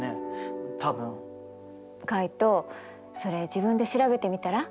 カイトそれ自分で調べてみたら？